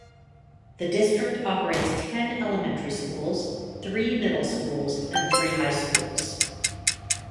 The district operates ten Elementary Schools, three Middle Schools and three High Schools.